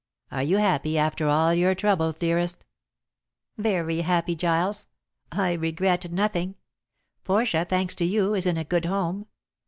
Are you happy after all your troubles, dearest?" "Very happy, Giles. I regret nothing. Portia, thanks to you, is in a good home.